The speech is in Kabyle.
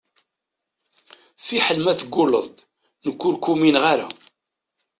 Fiḥel ma tegulleḍ-d, nekk ur k-umineɣ ara.